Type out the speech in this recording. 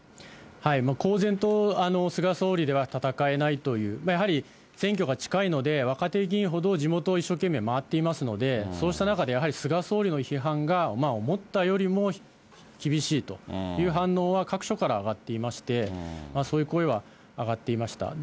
公然と菅総理では戦えないという、やはり選挙が近いので、若手議員ほど地元を一生懸命回っていますので、そうした中でやはり菅総理の批判が思ったよりも厳しいという反応は各所から上がっていまして、そういう声は上がっていました。